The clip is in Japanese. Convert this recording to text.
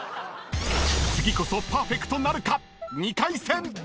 ［次こそパーフェクトなるか⁉］